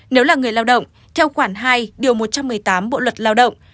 nếu là người lao động theo khoản hai điều một trăm một mươi tám bộ luật lao động